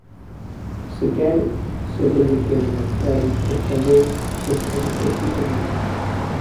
Se quere cédolle a quenda pero, por favor, exerza de presidente.